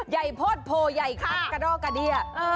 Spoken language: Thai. โพดโพใหญ่คัดกระดอกกระเดี้ย